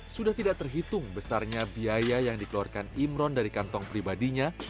sudah tidak terhitung besarnya biaya yang dikeluarkan imron dari kantong pribadinya